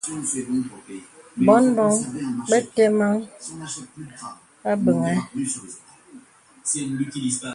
Bōn bǒŋ be təməŋhe àbəŋhə.